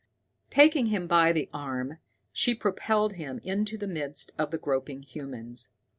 Taking him by the arm, she propelled him into the midst of the groping humans.